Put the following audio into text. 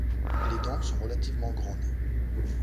Les dents sont relativement grandes.